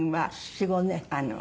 ４５年。